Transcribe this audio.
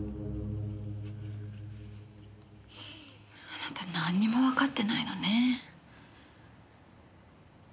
あなたなんにもわかってないのね。